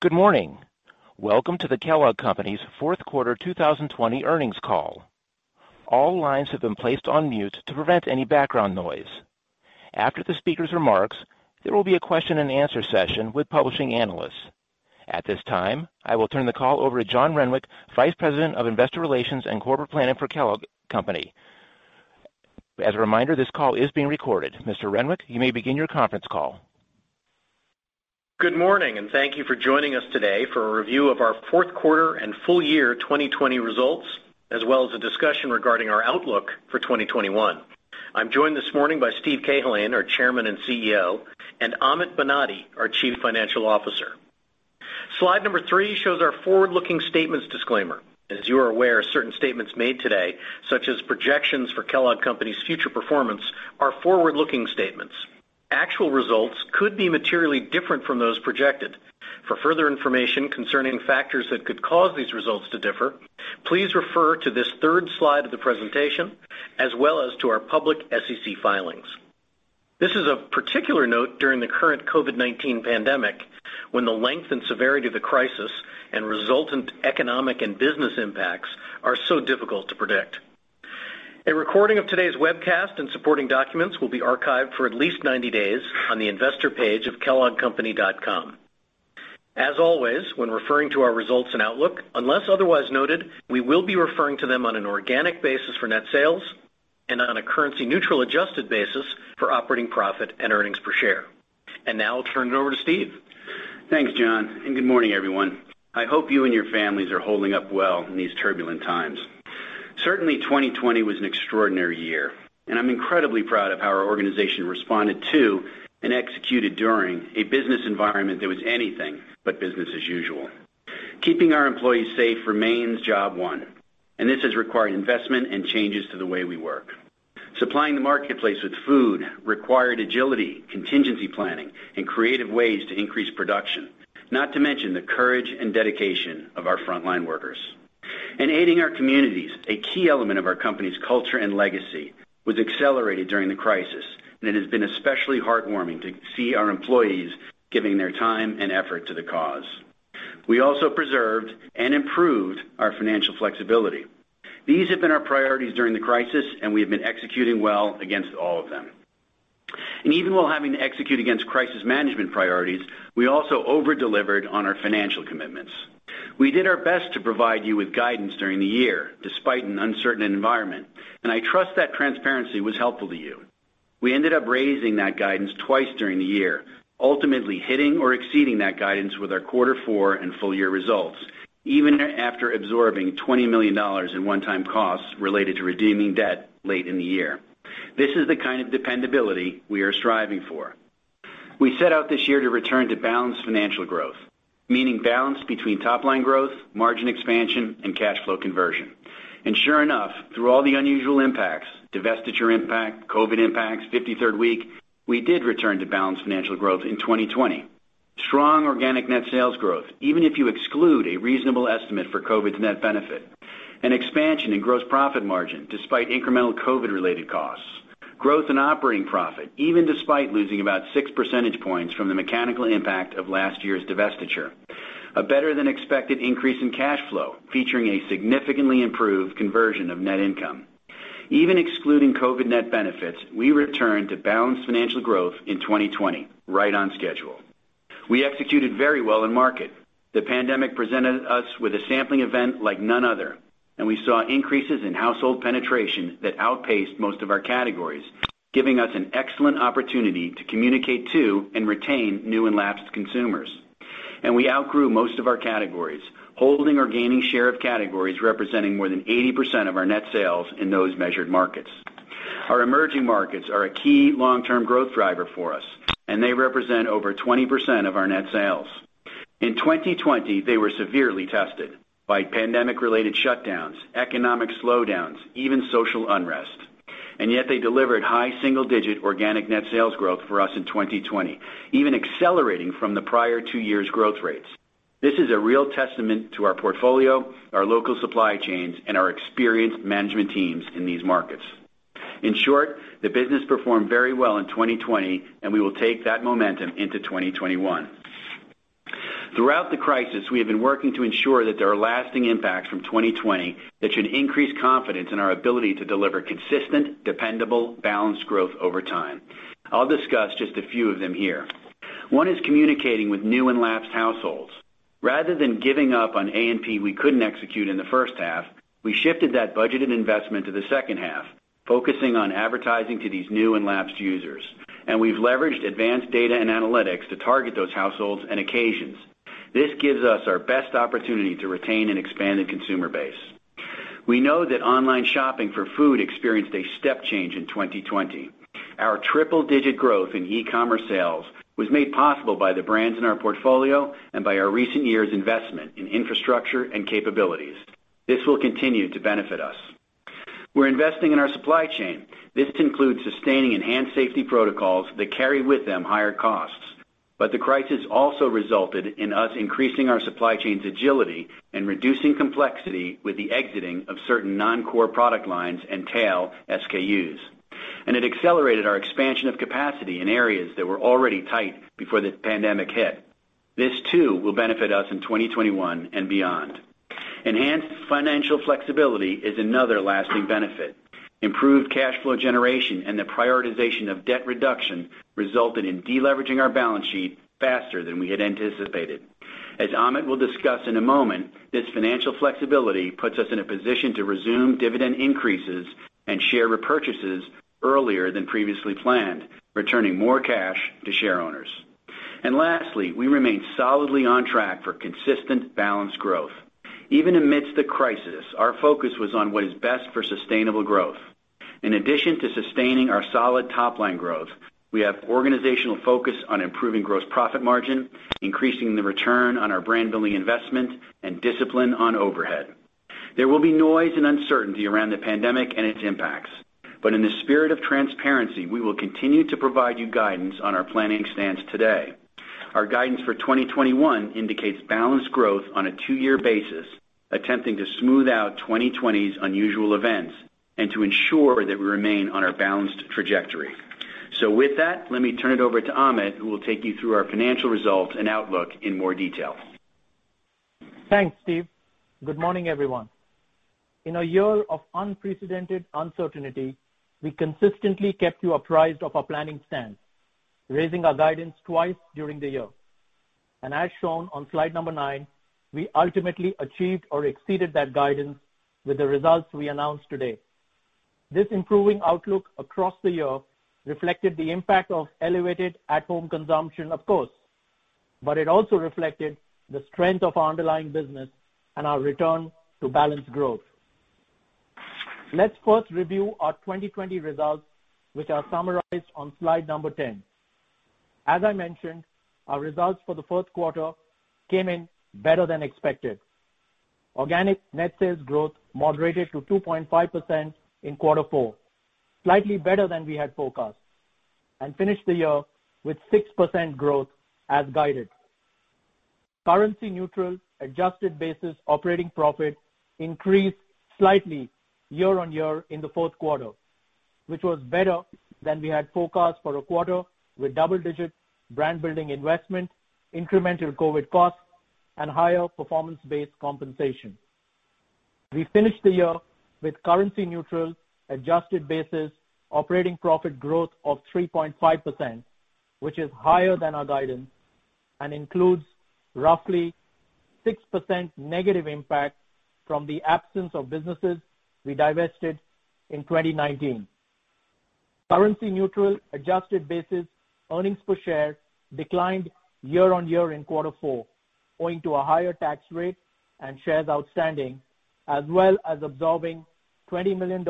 Good morning. Welcome to the Kellogg Company's fourth quarter 2020 earnings call. All lines have been placed on mute to prevent any background noise. After the speaker's remarks, there will be a question and answer session with publishing analysts. At this time, I will turn the call over to John Renwick, Vice President of Investor Relations and Corporate Planning for Kellogg Company. As a reminder, this call is being recorded. Mr. Renwick, you may begin your conference call. Good morning, and thank you for joining us today for a review of our fourth quarter and full year 2020 results, as well as a discussion regarding our outlook for 2021. I'm joined this morning by Steve Cahillane, our Chairman and CEO, and Amit Banati, our Chief Financial Officer. Slide number three shows our forward-looking statements disclaimer. As you are aware, certain statements made today, such as projections for Kellogg Company's future performance, are forward-looking statements. Actual results could be materially different from those projected. For further information concerning factors that could cause these results to differ, please refer to this third slide of the presentation as well as to our public SEC filings. This is of particular note during the current COVID-19 pandemic, when the length and severity of the crisis and resultant economic and business impacts are so difficult to predict. A recording of today's webcast and supporting documents will be archived for at least 90 days on the investor page of kelloggcompany.com. As always, when referring to our results and outlook, unless otherwise noted, we will be referring to them on an organic basis for net sales and on a currency neutral adjusted basis for operating profit and EPS. Now I'll turn it over to Steve. Thanks, John. Good morning, everyone. I hope you and your families are holding up well in these turbulent times. Certainly 2020 was an extraordinary year, and I'm incredibly proud of how our organization responded to and executed during a business environment that was anything but business as usual. Keeping our employees safe remains job one, and this has required investment and changes to the way we work. Supplying the marketplace with food required agility, contingency planning, and creative ways to increase production, not to mention the courage and dedication of our frontline workers. Aiding our communities, a key element of our company's culture and legacy, was accelerated during the crisis, and it has been especially heartwarming to see our employees giving their time and effort to the cause. We also preserved and improved our financial flexibility. These have been our priorities during the crisis, we have been executing well against all of them. Even while having to execute against crisis management priorities, we also over-delivered on our financial commitments. We did our best to provide you with guidance during the year, despite an uncertain environment, and I trust that transparency was helpful to you. We ended up raising that guidance twice during the year, ultimately hitting or exceeding that guidance with our quarter four and full year results, even after absorbing $20 million in one-time costs related to redeeming debt late in the year. This is the kind of dependability we are striving for. We set out this year to return to balanced financial growth, meaning balance between top-line growth, margin expansion, and cash flow conversion. Sure enough, through all the unusual impacts, divestiture impact, COVID impacts, 53rd week, we did return to balanced financial growth in 2020. Strong organic net sales growth, even if you exclude a reasonable estimate for COVID's net benefit. An expansion in gross profit margin despite incremental COVID-related costs. Growth in operating profit, even despite losing about 6 percentage points from the mechanical impact of last year's divestiture. A better than expected increase in cash flow, featuring a significantly improved conversion of net income. Even excluding COVID net benefits, we returned to balanced financial growth in 2020, right on schedule. We executed very well in market. We saw increases in household penetration that outpaced most of our categories, giving us an excellent opportunity to communicate to and retain new and lapsed consumers. We outgrew most of our categories, holding or gaining share of categories representing more than 80% of our net sales in those measured markets. Our emerging markets are a key long-term growth driver for us, and they represent over 20% of our net sales. In 2020, they were severely tested by pandemic-related shutdowns, economic slowdowns, even social unrest, and yet they delivered high single digit organic net sales growth for us in 2020, even accelerating from the prior two years' growth rates. This is a real testament to our portfolio, our local supply chains, and our experienced management teams in these markets. In short, the business performed very well in 2020, and we will take that momentum into 2021. Throughout the crisis, we have been working to ensure that there are lasting impacts from 2020 that should increase confidence in our ability to deliver consistent, dependable, balanced growth over time. I'll discuss just a few of them here. One is communicating with new and lapsed households. Rather than giving up on A&P we couldn't execute in the first half, we shifted that budgeted investment to the second half, focusing on advertising to these new and lapsed users, and we've leveraged advanced data and analytics to target those households and occasions. This gives us our best opportunity to retain an expanded consumer base. We know that online shopping for food experienced a step change in 2020. Our triple digit growth in e-commerce sales was made possible by the brands in our portfolio and by our recent years' investment in infrastructure and capabilities. This will continue to benefit us. We're investing in our supply chain. This includes sustaining enhanced safety protocols that carry with them higher costs. The crisis also resulted in us increasing our supply chain's agility and reducing complexity with the exiting of certain non-core product lines and tail SKUs. It accelerated our expansion of capacity in areas that were already tight before the pandemic hit. This, too, will benefit us in 2021 and beyond. Enhanced financial flexibility is another lasting benefit. Improved cash flow generation and the prioritization of debt reduction resulted in de-leveraging our balance sheet faster than we had anticipated. As Amit will discuss in a moment, this financial flexibility puts us in a position to resume dividend increases and share repurchases earlier than previously planned, returning more cash to share owners. Lastly, we remain solidly on track for consistent balanced growth. Even amidst the crisis, our focus was on what is best for sustainable growth. In addition to sustaining our solid top-line growth, we have organizational focus on improving gross profit margin, increasing the return on our brand-building investment, and discipline on overhead. There will be noise and uncertainty around the pandemic and its impacts. In the spirit of transparency, we will continue to provide you guidance on our planning stance today. Our guidance for 2021 indicates balanced growth on a two-year basis, attempting to smooth out 2020's unusual events and to ensure that we remain on our balanced trajectory. With that, let me turn it over to Amit, who will take you through our financial results and outlook in more detail. Thanks, Steve. Good morning, everyone. In a year of unprecedented uncertainty, we consistently kept you apprised of our planning stance, raising our guidance twice during the year. As shown on slide number nine, we ultimately achieved or exceeded that guidance with the results we announced today. This improving outlook across the year reflected the impact of elevated at-home consumption, of course, but it also reflected the strength of our underlying business and our return to balanced growth. Let's first review our 2020 results, which are summarized on slide number 10. As I mentioned, our results for the first quarter came in better than expected. Organic net sales growth moderated to 2.5% in quarter four, slightly better than we had forecast, and finished the year with 6% growth as guided. Currency-neutral adjusted basis operating profit increased slightly year-on-year in the fourth quarter, which was better than we had forecast for a quarter with double-digit brand-building investment, incremental COVID costs, and higher performance-based compensation. We finished the year with currency-neutral adjusted basis operating profit growth of 3.5%, which is higher than our guidance and includes roughly 6% negative impact from the absence of businesses we divested in 2019. Currency-neutral adjusted basis earnings per share declined year-on-year in quarter four owing to a higher tax rate and shares outstanding, as well as absorbing $20 million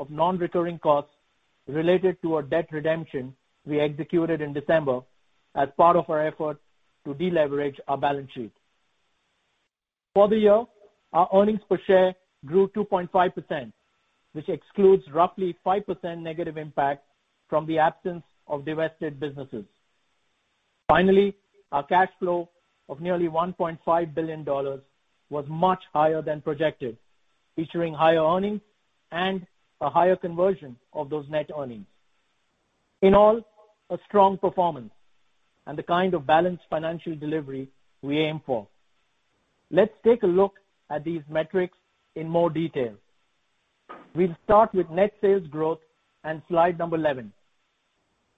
of non-recurring costs related to a debt redemption we executed in December as part of our effort to de-leverage our balance sheet. For the year, our earnings per share grew 2.5%, which excludes roughly 5% negative impact from the absence of divested businesses. Finally, our cash flow of nearly $1.5 billion was much higher than projected, featuring higher earnings and a higher conversion of those net earnings. In all, a strong performance and the kind of balanced financial delivery we aim for. Let's take a look at these metrics in more detail. We'll start with net sales growth and slide number 11.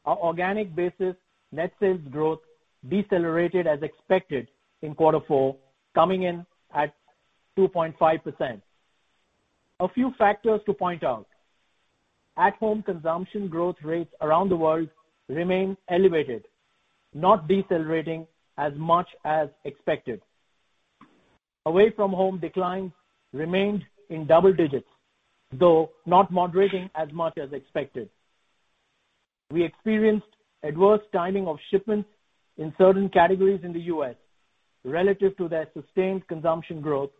Our organic basis net sales growth decelerated as expected in quarter four, coming in at 2.5%. A few factors to point out. At-home consumption growth rates around the world remain elevated, not decelerating as much as expected. Away from home declines remained in double digits, though not moderating as much as expected. We experienced adverse timing of shipments in certain categories in the U.S. relative to their sustained consumption growth,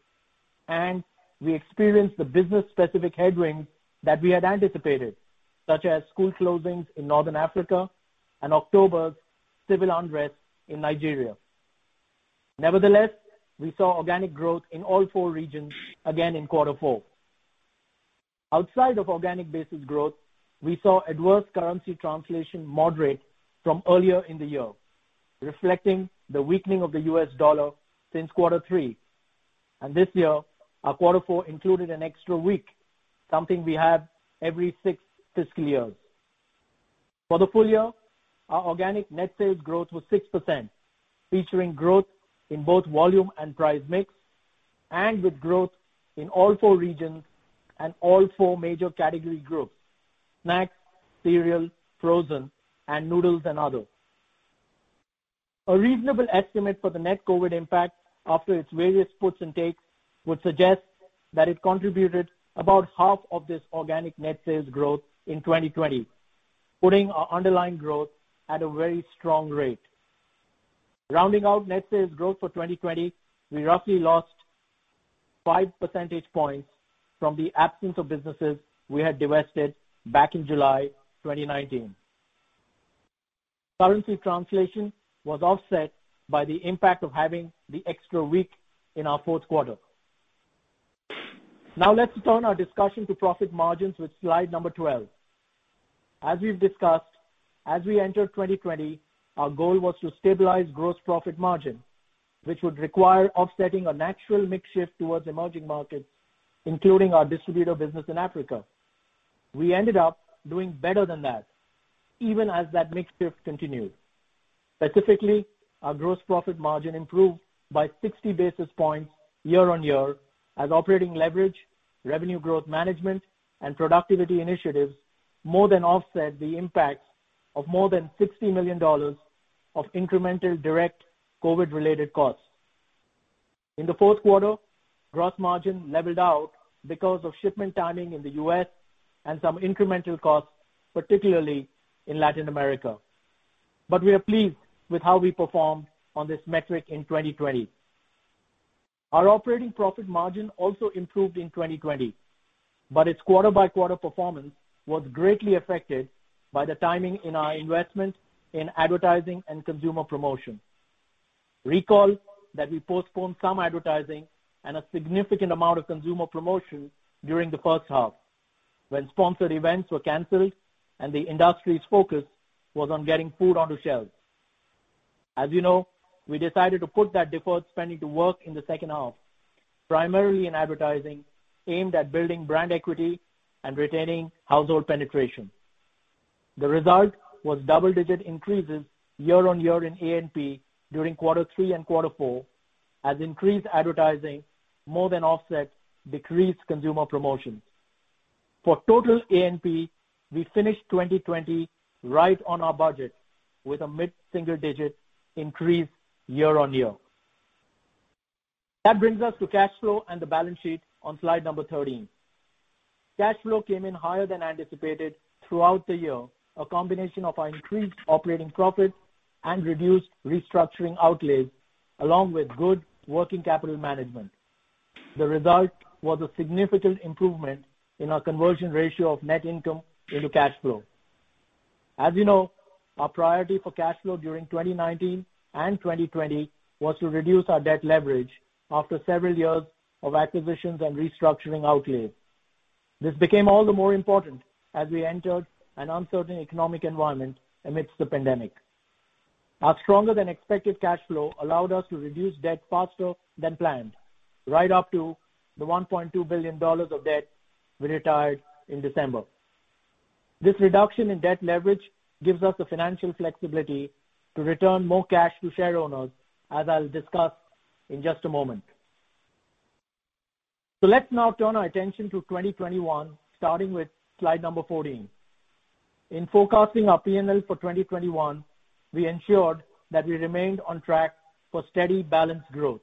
and we experienced the business-specific headwinds that we had anticipated, such as school closings in Northern Africa and October's civil unrest in Nigeria. Nevertheless, we saw organic growth in all four regions again in quarter four. Outside of organic basis growth, we saw adverse currency translation moderate from earlier in the year, reflecting the weakening of the US dollar since quarter three. This year, our quarter four included an extra week, something we have every six fiscal years. For the full year, our organic net sales growth was 6%, featuring growth in both volume and price mix, and with growth in all four regions and all four major category groups, snacks, cereal, frozen, and noodles and others. A reasonable estimate for the net COVID impact after its various puts and takes would suggest that it contributed about half of this organic net sales growth in 2020, putting our underlying growth at a very strong rate. Rounding out net sales growth for 2020, we roughly lost five percentage points from the absence of businesses we had divested back in July 2019. Currency translation was offset by the impact of having the extra week in our fourth quarter. Let's turn our discussion to profit margins with slide number 12. As we've discussed, as we entered 2020, our goal was to stabilize gross profit margin, which would require offsetting a natural mix shift towards emerging markets, including our distributor business in Africa. We ended up doing better than that, even as that mix shift continued. Specifically, our gross profit margin improved by 60 basis points year-on-year as operating leverage, revenue growth management, and productivity initiatives more than offset the impacts of more than $60 million of incremental direct COVID-related costs. In the fourth quarter, gross margin leveled out because of shipment timing in the U.S. and some incremental costs, particularly in Latin America. We are pleased with how we performed on this metric in 2020. Our operating profit margin also improved in 2020, but its quarter-by-quarter performance was greatly affected by the timing in our investment in advertising and consumer promotion. Recall that we postponed some advertising and a significant amount of consumer promotion during the first half, when sponsored events were canceled and the industry's focus was on getting food onto shelves. As you know, we decided to put that deferred spending to work in the second half, primarily in advertising aimed at building brand equity and retaining household penetration. The result was double-digit increases year-on-year in A&P during quarter three and quarter four, as increased advertising more than offset decreased consumer promotions. For total A&P, we finished 2020 right on our budget, with a mid-single-digit increase year-on-year. That brings us to cash flow and the balance sheet on slide number 13. Cash flow came in higher than anticipated throughout the year, a combination of our increased operating profit and reduced restructuring outlays, along with good working capital management. The result was a significant improvement in our conversion ratio of net income into cash flow. As you know, our priority for cash flow during 2019 and 2020 was to reduce our debt leverage after several years of acquisitions and restructuring outlays. This became all the more important as we entered an uncertain economic environment amidst the pandemic. Our stronger-than-expected cash flow allowed us to reduce debt faster than planned, right up to the $1.2 billion of debt we retired in December. This reduction in debt leverage gives us the financial flexibility to return more cash to share owners, as I'll discuss in just a moment. Let's now turn our attention to 2021, starting with slide number 14. In forecasting our P&L for 2021, we ensured that we remained on track for steady, balanced growth.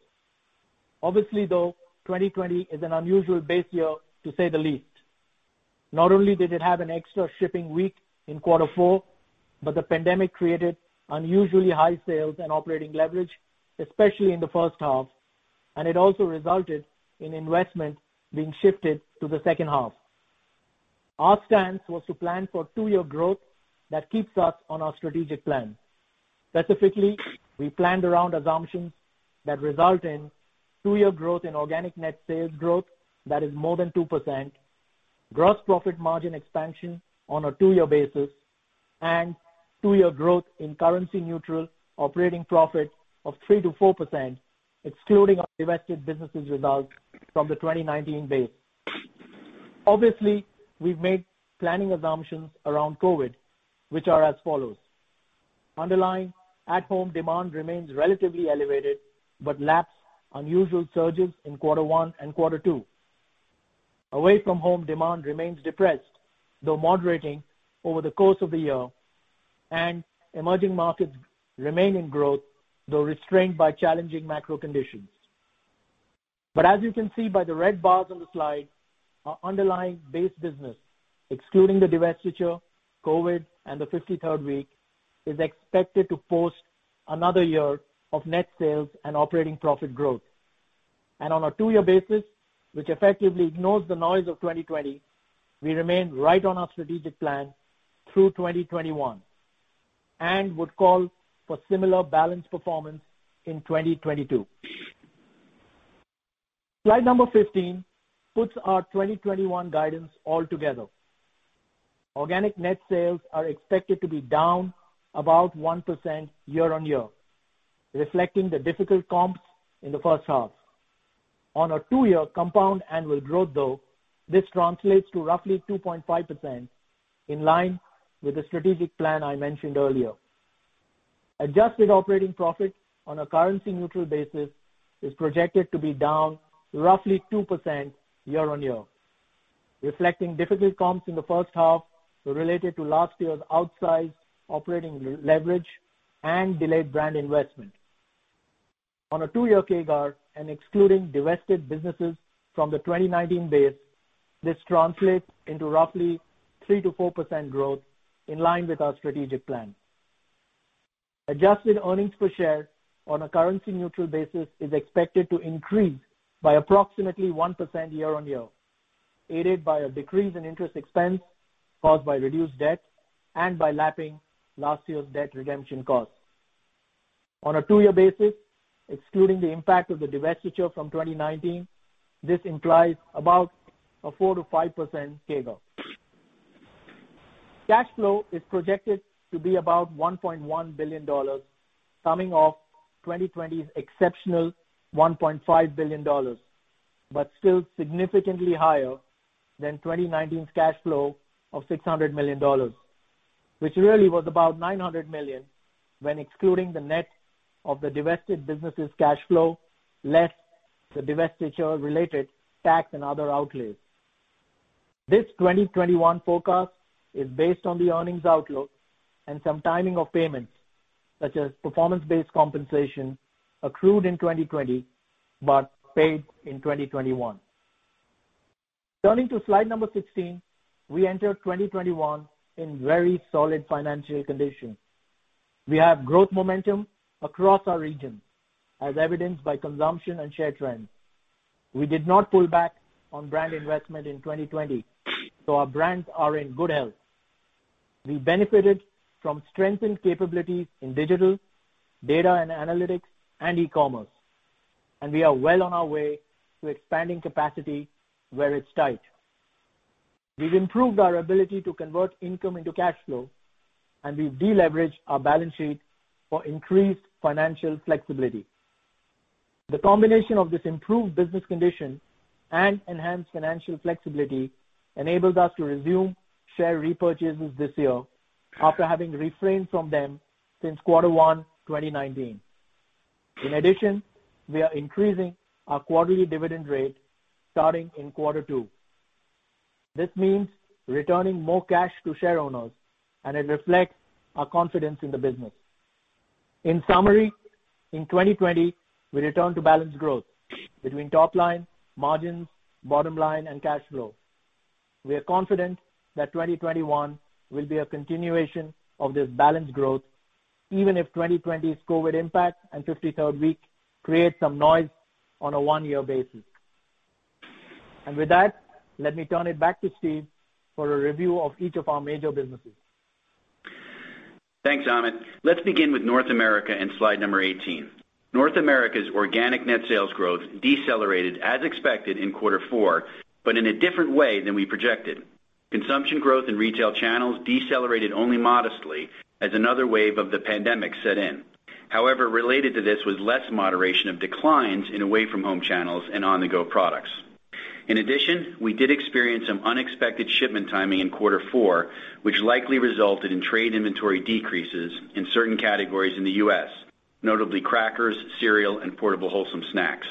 Obviously, though, 2020 is an unusual base year, to say the least. Not only did it have an extra shipping week in quarter four, but the pandemic created unusually high sales and operating leverage, especially in the first half, and it also resulted in investment being shifted to the second half. Our stance was to plan for two-year growth that keeps us on our strategic plan. Specifically, we planned around assumptions that result in two-year growth in organic net sales growth that is more than 2%, gross profit margin expansion on a two-year basis, and two-year growth in currency-neutral operating profit of 3%-4%, excluding our divested businesses result from the 2019 base. Obviously, we've made planning assumptions around COVID, which are as follows. Underlying at-home demand remains relatively elevated but lacks unusual surges in quarter one and quarter two. Away-from-home demand remains depressed, though moderating over the course of the year, and emerging markets remain in growth, though restrained by challenging macro conditions. As you can see by the red bars on the slide, our underlying base business, excluding the divestiture, COVID, and the 53rd week, is expected to post another year of net sales and operating profit growth. On a two-year basis, which effectively ignores the noise of 2020, we remain right on our strategic plan through 2021 and would call for similar balanced performance in 2022. Slide 15 puts our 2021 guidance all together. Organic net sales are expected to be down about 1% year-on-year, reflecting the difficult comps in the first half. On a two-year compound annual growth, though, this translates to roughly 2.5%, in line with the strategic plan I mentioned earlier. Adjusted operating profit on a currency-neutral basis is projected to be down roughly 2% year-on-year, reflecting difficult comps in the first half related to last year's outsized operating leverage and delayed brand investment. On a two-year CAGR and excluding divested businesses from the 2019 base, this translates into roughly 3%-4% growth in line with our strategic plan. Adjusted earnings per share on a currency-neutral basis is expected to increase by approximately 1% year-on-year. Aided by a decrease in interest expense caused by reduced debt and by lapping last year's debt redemption costs. On a two-year basis, excluding the impact of the divestiture from 2019, this implies about a 4%-5% CAGR. Cash flow is projected to be about $1.1 billion, coming off 2020's exceptional $1.5 billion, but still significantly higher than 2019's cash flow of $600 million, which really was about $900 million when excluding the net of the divested businesses' cash flow, less the divestiture-related tax and other outlays. This 2021 forecast is based on the earnings outlook and some timing of payments, such as performance-based compensation accrued in 2020 but paid in 2021. Turning to slide number 16, we enter 2021 in very solid financial condition. We have growth momentum across our regions, as evidenced by consumption and share trends. We did not pull back on brand investment in 2020, so our brands are in good health. We benefited from strengthened capabilities in digital, data and analytics, and e-commerce, and we are well on our way to expanding capacity where it's tight. We've improved our ability to convert income into cash flow, and we've de-leveraged our balance sheet for increased financial flexibility. The combination of this improved business condition and enhanced financial flexibility enables us to resume share repurchases this year after having refrained from them since quarter one 2019. In addition, we are increasing our quarterly dividend rate starting in quarter two. This means returning more cash to share owners, and it reflects our confidence in the business. In summary, in 2020, we returned to balanced growth between top line, margins, bottom line, and cash flow. We are confident that 2021 will be a continuation of this balanced growth, even if 2020's COVID impact and 53rd week create some noise on a one-year basis. With that, let me turn it back to Steve for a review of each of our major businesses. Thanks, Amit. Let's begin with North America and slide number 18. North America's organic net sales growth decelerated as expected in quarter four, but in a different way than we projected. Consumption growth in retail channels decelerated only modestly as another wave of the pandemic set in. However, related to this was less moderation of declines in away-from-home channels and on-the-go products. In addition, we did experience some unexpected shipment timing in quarter four, which likely resulted in trade inventory decreases in certain categories in the U.S., notably crackers, cereal, and portable wholesome snacks.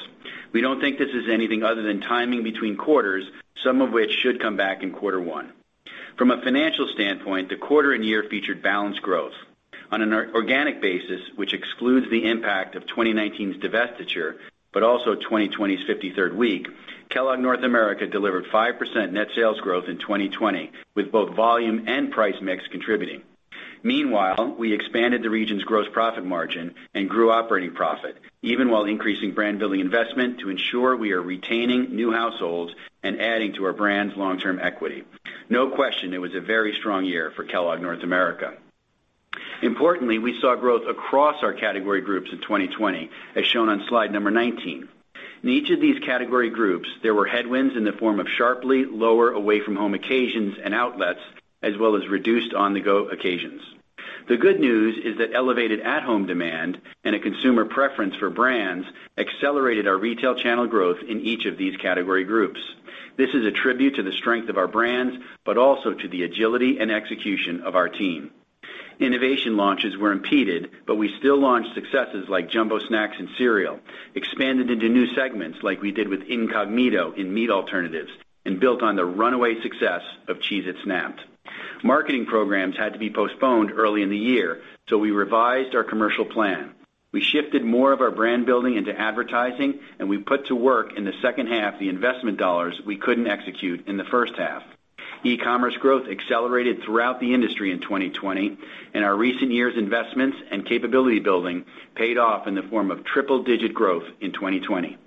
We don't think this is anything other than timing between quarters, some of which should come back in quarter one. From a financial standpoint, the quarter and year featured balanced growth. On an organic basis, which excludes the impact of 2019's divestiture, but also 2020's 53rd week, Kellogg North America delivered 5% net sales growth in 2020, with both volume and price mix contributing. Meanwhile, we expanded the region's gross profit margin and grew operating profit, even while increasing brand building investment to ensure we are retaining new households and adding to our brands' long-term equity. No question, it was a very strong year for Kellogg North America. Importantly, we saw growth across our category groups in 2020, as shown on slide number 19. In each of these category groups, there were headwinds in the form of sharply lower away-from-home occasions and outlets, as well as reduced on-the-go occasions. The good news is that elevated at-home demand and a consumer preference for brands accelerated our retail channel growth in each of these category groups. This is a tribute to the strength of our brands, also to the agility and execution of our team. Innovation launches were impeded, we still launched successes like Jumbo Snax and cereal, expanded into new segments like we did with Incogmeato in meat alternatives, and built on the runaway success of Cheez-It Snap'd. Marketing programs had to be postponed early in the year, we revised our commercial plan. We shifted more of our brand building into advertising, we put to work in the second half the investment dollars we couldn't execute in the first half. e-commerce growth accelerated throughout the industry in 2020, our recent years' investments and capability building paid off in the form of triple-digit growth in 2020.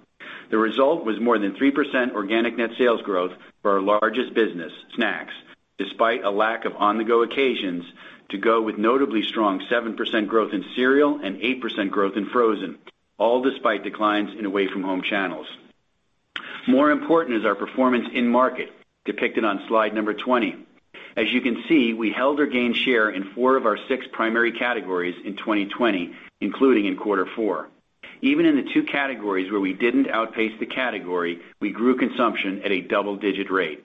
The result was more than 3% organic net sales growth for our largest business, snacks, despite a lack of on-the-go occasions to go with notably strong 7% growth in cereal and 8% growth in frozen, all despite declines in away-from-home channels. More important is our performance in market, depicted on slide number 20. As you can see, we held or gained share in four of our six primary categories in 2020, including in quarter four. Even in the two categories where we didn't outpace the category, we grew consumption at a double-digit rate.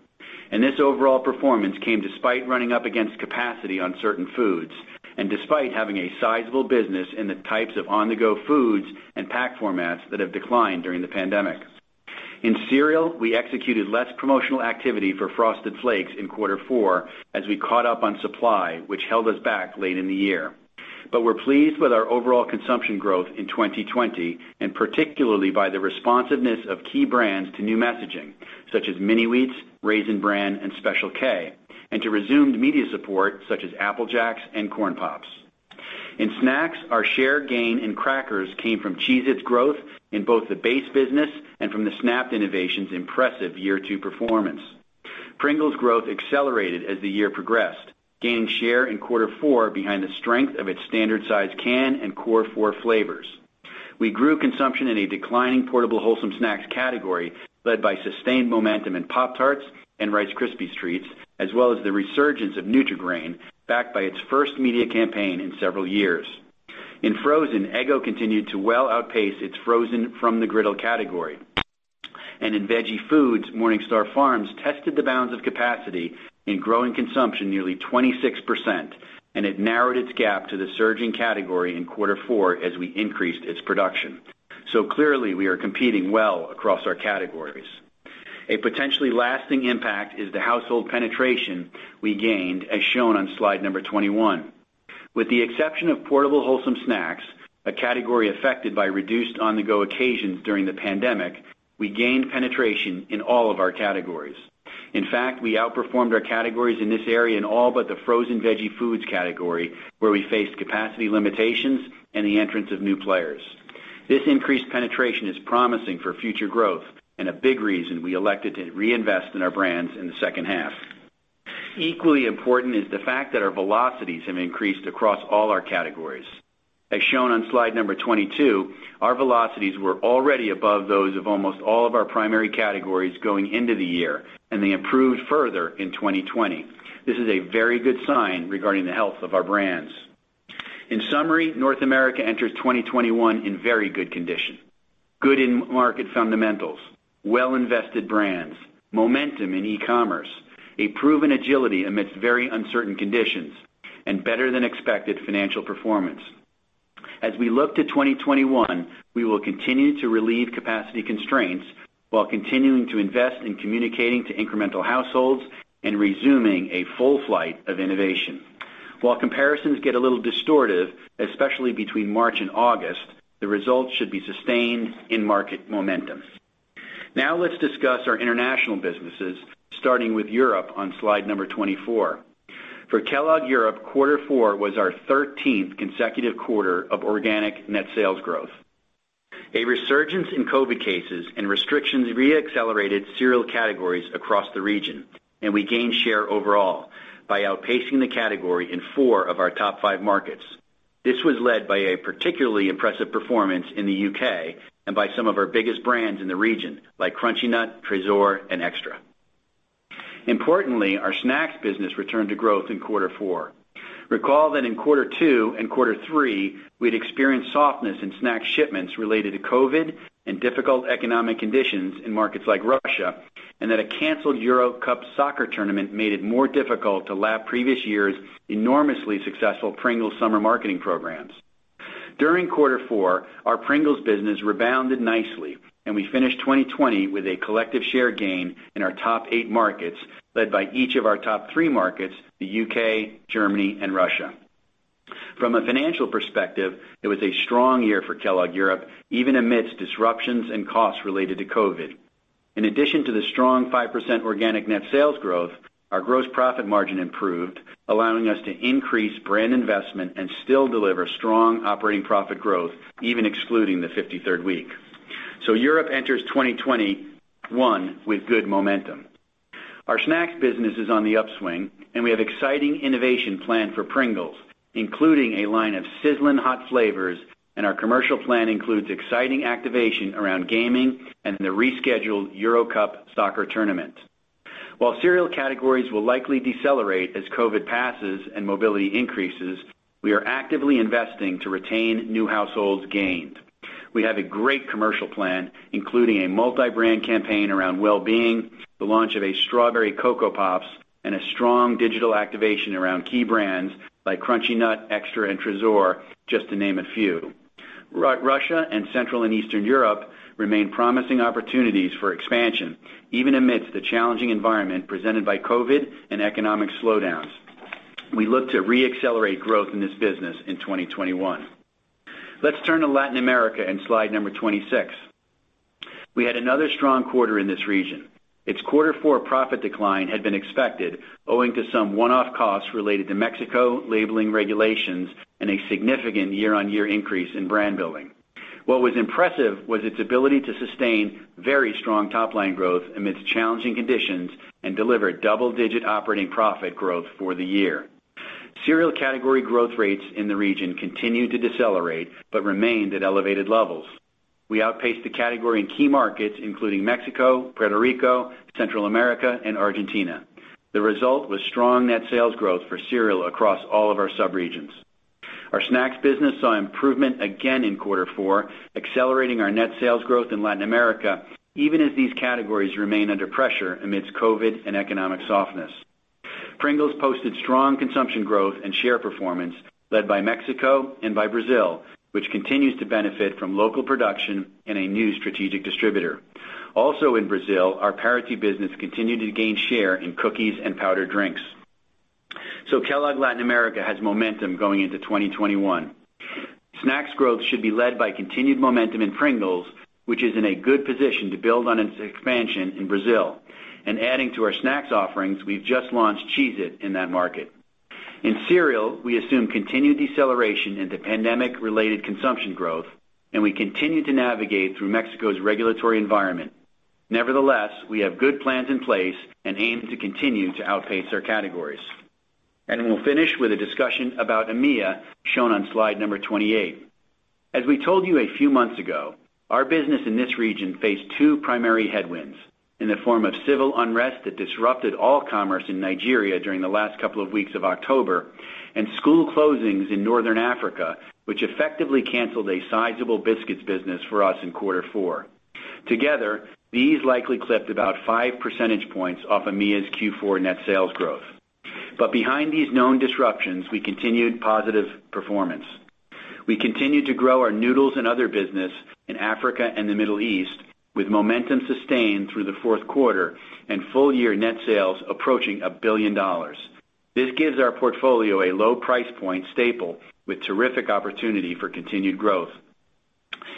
This overall performance came despite running up against capacity on certain foods and despite having a sizable business in the types of on-the-go foods and pack formats that have declined during the pandemic. In cereal, we executed less promotional activity for Frosted Flakes in quarter four as we caught up on supply, which held us back late in the year. We're pleased with our overall consumption growth in 2020, and particularly by the responsiveness of key brands to new messaging, such as Mini-Wheats, Raisin Bran, and Special K, and to resumed media support, such as Apple Jacks and Corn Pops. In snacks, our share gain in crackers came from Cheez-It's growth in both the base business and from the Snap'd innovations impressive year two performance. Pringles growth accelerated as the year progressed, gaining share in quarter four behind the strength of its standard size can and core four flavors. We grew consumption in a declining portable wholesome snacks category, led by sustained momentum in Pop-Tarts and Rice Krispies Treats, as well as the resurgence of Nutri-Grain, backed by its first media campaign in several years. In frozen, Eggo continued to well outpace its frozen from the griddle category. In veggie foods, MorningStar Farms tested the bounds of capacity in growing consumption nearly 26%, and it narrowed its gap to the surging category in quarter four as we increased its production. Clearly we are competing well across our categories. A potentially lasting impact is the household penetration we gained as shown on slide number 21. With the exception of portable wholesome snacks, a category affected by reduced on-the-go occasions during the pandemic, we gained penetration in all of our categories. In fact, we outperformed our categories in this area in all but the frozen veggie foods category, where we faced capacity limitations and the entrance of new players. This increased penetration is promising for future growth, and a big reason we elected to reinvest in our brands in the second half. Equally important is the fact that our velocities have increased across all our categories. As shown on slide number 22, our velocities were already above those of almost all of our primary categories going into the year, and they improved further in 2020. This is a very good sign regarding the health of our brands. In summary, North America enters 2021 in very good condition. Good end market fundamentals, well invested brands, momentum in e-commerce, a proven agility amidst very uncertain conditions, and better than expected financial performance. As we look to 2021, we will continue to relieve capacity constraints while continuing to invest in communicating to incremental households and resuming a full flight of innovation. While comparisons get a little distortive, especially between March and August, the results should be sustained in market momentum. Let's discuss our international businesses, starting with Europe on slide 24. For Kellogg Europe, quarter four was our 13th consecutive quarter of organic net sales growth. A resurgence in COVID cases and restrictions re-accelerated cereal categories across the region, and we gained share overall by outpacing the category in four of our top five markets. This was led by a particularly impressive performance in the U.K. and by some of our biggest brands in the region, like Crunchy Nut, Trésor, and Extra. Importantly, our snacks business returned to growth in quarter four. Recall that in quarter two and quarter three, we'd experienced softness in snack shipments related to COVID and difficult economic conditions in markets like Russia, and that a canceled Euro Cup soccer tournament made it more difficult to lap previous year's enormously successful Pringles summer marketing programs. During quarter four, our Pringles business rebounded nicely, and we finished 2020 with a collective share gain in our top eight markets, led by each of our top three markets, the U.K., Germany, and Russia. From a financial perspective, it was a strong year for Kellogg Europe, even amidst disruptions and costs related to COVID. In addition to the strong 5% organic net sales growth, our gross profit margin improved, allowing us to increase brand investment and still deliver strong operating profit growth, even excluding the 53rd week. Europe enters 2021 with good momentum. Our snacks business is on the upswing, and we have exciting innovation planned for Pringles, including a line of sizzling hot flavors, and our commercial plan includes exciting activation around gaming and the rescheduled Euro Cup soccer tournament. While cereal categories will likely decelerate as COVID passes and mobility increases, we are actively investing to retain new households gained. We have a great commercial plan, including a multi-brand campaign around wellbeing, the launch of a strawberry Coco Pops, and a strong digital activation around key brands like Crunchy Nut, Extra, and Trésor, just to name a few. Russia and Central and Eastern Europe remain promising opportunities for expansion, even amidst the challenging environment presented by COVID and economic slowdowns. We look to re-accelerate growth in this business in 2021. Let's turn to Latin America in slide number 26. We had another strong quarter in this region. Its quarter four profit decline had been expected owing to some one-off costs related to Mexico labeling regulations and a significant year-on-year increase in brand building. What was impressive was its ability to sustain very strong top-line growth amidst challenging conditions and deliver double-digit operating profit growth for the year. Cereal category growth rates in the region continued to decelerate, but remained at elevated levels. We outpaced the category in key markets including Mexico, Puerto Rico, Central America, and Argentina. The result was strong net sales growth for cereal across all of our subregions. Our snacks business saw improvement again in quarter four, accelerating our net sales growth in Latin America, even as these categories remain under pressure amidst COVID and economic softness. Pringles posted strong consumption growth and share performance led by Mexico and by Brazil, which continues to benefit from local production and a new strategic distributor. Also in Brazil, our Parati business continued to gain share in cookies and powdered drinks. Kellogg Latin America has momentum going into 2021. Snacks growth should be led by continued momentum in Pringles, which is in a good position to build on its expansion in Brazil. Adding to our snacks offerings, we've just launched Cheez-It in that market. In cereal, we assume continued deceleration into pandemic-related consumption growth, and we continue to navigate through Mexico's regulatory environment. Nevertheless, we have good plans in place and aim to continue to outpace our categories. We'll finish with a discussion about AMEA, shown on slide number 28. As we told you a few months ago, our business in this region faced two primary headwinds in the form of civil unrest that disrupted all commerce in Nigeria during the last couple of weeks of October, and school closings in Northern Africa, which effectively canceled a sizable biscuits business for us in quarter four. Together, these likely clipped about five percentage points off AMEA's Q4 net sales growth. Behind these known disruptions, we continued positive performance. We continued to grow our noodles and other business in Africa and the Middle East, with momentum sustained through the fourth quarter and full year net sales approaching $1 billion. This gives our portfolio a low price point staple with terrific opportunity for continued growth.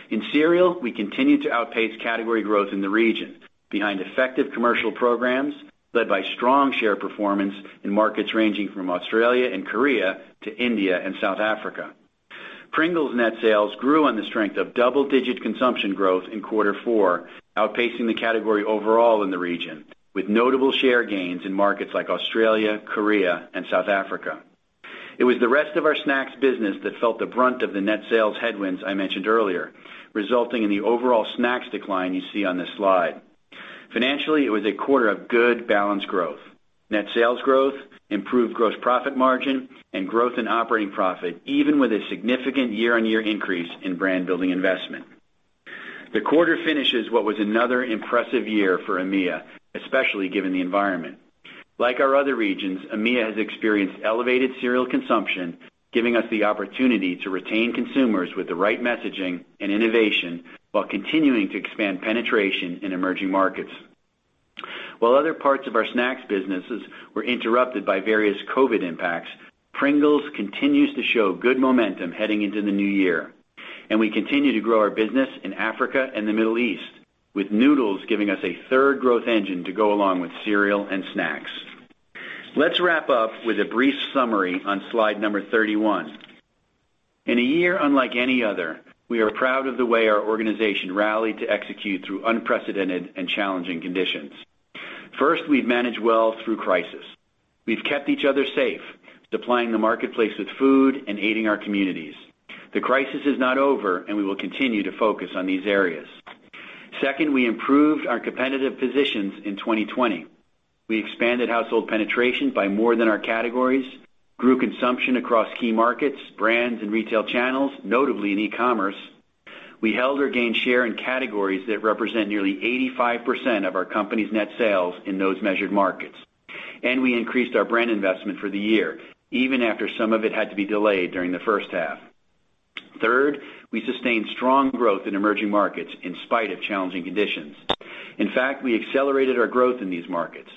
In cereal, we continued to outpace category growth in the region behind effective commercial programs led by strong share performance in markets ranging from Australia and Korea to India and South Africa. Pringles net sales grew on the strength of double-digit consumption growth in quarter four, outpacing the category overall in the region, with notable share gains in markets like Australia, Korea, and South Africa. It was the rest of our snacks business that felt the brunt of the net sales headwinds I mentioned earlier, resulting in the overall snacks decline you see on this slide. Financially, it was a quarter of good, balanced growth, net sales growth, improved gross profit margin, and growth in operating profit, even with a significant year-over-year increase in brand building investment. The quarter finishes what was another impressive year for AMEA, especially given the environment. Like our other regions, AMEA has experienced elevated cereal consumption, giving us the opportunity to retain consumers with the right messaging and innovation while continuing to expand penetration in emerging markets. While other parts of our snacks businesses were interrupted by various COVID impacts, Pringles continues to show good momentum heading into the new year, and we continue to grow our business in Africa and the Middle East, with noodles giving us a third growth engine to go along with cereal and snacks. Let's wrap up with a brief summary on slide number 31. In a year unlike any other, we are proud of the way our organization rallied to execute through unprecedented and challenging conditions. First, we've managed well through crisis. We've kept each other safe, supplying the marketplace with food and aiding our communities. The crisis is not over, and we will continue to focus on these areas. Second, we improved our competitive positions in 2020. We expanded household penetration by more than our categories, grew consumption across key markets, brands, and retail channels, notably in e-commerce. We held or gained share in categories that represent nearly 85% of our company's net sales in those measured markets, and we increased our brand investment for the year, even after some of it had to be delayed during the first half. Third, we sustained strong growth in emerging markets in spite of challenging conditions. In fact, we accelerated our growth in these markets.